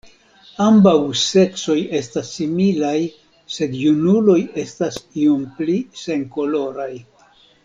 Ambaŭ seksoj estas similaj, sed junuloj estas iom pli senkoloraj.